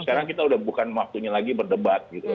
karena kita udah bukan waktunya lagi berdebat gitu loh